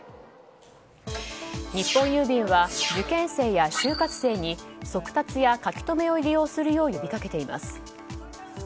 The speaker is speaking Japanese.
日本郵便は受験生や就活生に速達や書留を利用するよう呼びかけています。